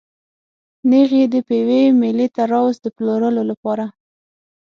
نېغ یې د پېوې مېلې ته راوست د پلورلو لپاره.